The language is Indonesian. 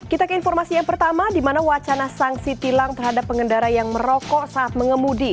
kita ke informasi yang pertama di mana wacana sanksi tilang terhadap pengendara yang merokok saat mengemudi